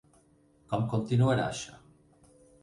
Com continuarà això?